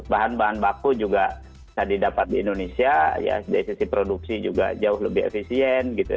bahan bahan baku juga bisa didapat di indonesia ya dari sisi produksi juga jauh lebih efisien gitu